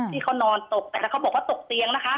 ที่เขานอนตกแต่เขาบอกว่าตกเตียงนะคะ